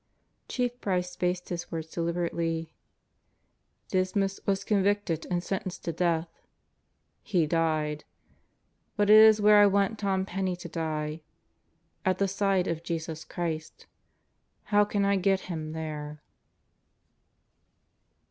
Chief Price spaced his words deliberately. "Dismas was con victed and sentenced to death. ... He died. ... But it is where I want Tom Penney to die at the side of Jesus Christ. How can I get him there?"